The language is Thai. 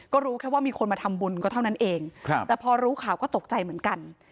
ก็รู้แค่ว่ามีคนมาทำบุญก็เท่านั้นเองแต่พอรู้ข่าวก็ตกใจเหมือนกัน